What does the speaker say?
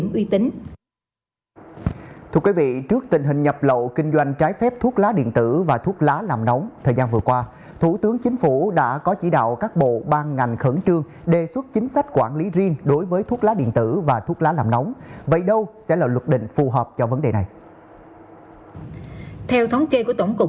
quý vị trước tình hình nhập lậu kinh doanh trái phép thuốc lá điện tử và thuốc lá làm nóng thời gian vừa qua thủ tướng chính phủ đã có chỉ đạo các bộ ban ngành khẩn trương đề xuất chính sách quản lý riêng đối với thuốc lá điện tử và thuốc lá làm nóng vậy đâu sẽ là luật định phù hợp cho vấn đề này